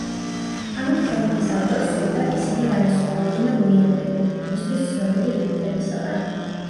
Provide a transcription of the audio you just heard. ამით ქრონიკის ავტორს სურდა ისინი განესხვავებინა გვიანდელი, მისთვის ცნობილი თურქებისაგან.